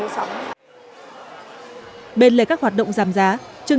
bên lề các hoạt động giảm giá chương trình cũng tổ chức các game show quà tặng bốc thăm chúng thường